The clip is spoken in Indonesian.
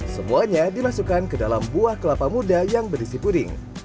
semuanya dimasukkan ke dalam buah kelapa muda yang berisi puding